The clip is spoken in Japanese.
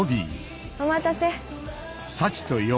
お待たせ。